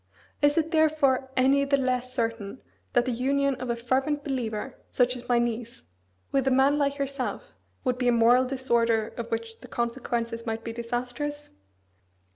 Is it therefore any the less certain that the union of a fervent believer, such as my niece, with a man like yourself would be a moral disorder of which the consequences might be disastrous?